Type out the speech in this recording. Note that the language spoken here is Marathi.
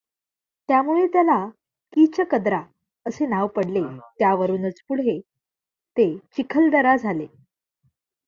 त्यामुळे त्याला किचकदरा असे नाव पडले, त्यावरूनच पुढे ते चिखलदरा झाले.